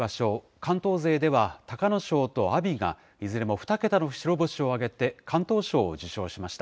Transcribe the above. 関東勢では隆の勝と阿炎が、いずれも２桁の白星を挙げて敢闘賞を受賞しました。